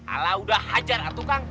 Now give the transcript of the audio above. alah udah hajar atuh kang